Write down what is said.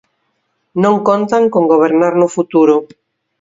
Non contan con gobernar no futuro.